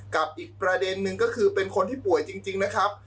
กับอีกประเด็นนึงก็คือเป็นคนที่ป่วยจริงนะครับ